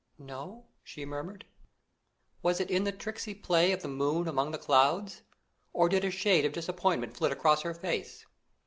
"No?" she murmured. Was it the tricksy play of the moon among the clouds, or did a shade of disappointment flit across her face?